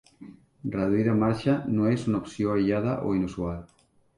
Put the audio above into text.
Reduir de marxa no és una opció aïllada o inusual.